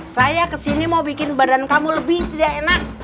saya kesini mau bikin badan kamu lebih tidak enak